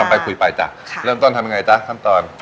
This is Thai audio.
ไปคุยไปจ้ะเริ่มต้นทำยังไงจ๊ะขั้นตอน